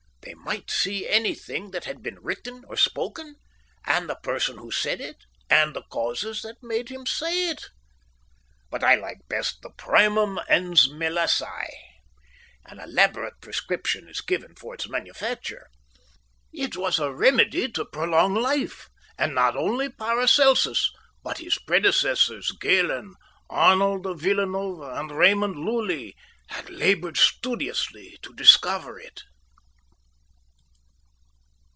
They might see anything that had been written or spoken, and the person who said it, and the causes that made him say it. But I like best the Primum Ens Melissæ. An elaborate prescription is given for its manufacture. It was a remedy to prolong life, and not only Paracelsus, but his predecessors Galen, Arnold of Villanova, and Raymond Lulli, had laboured studiously to discover it."